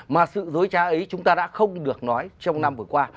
mà sự dối trá ấy chúng ta đã không được nói trong năm vừa qua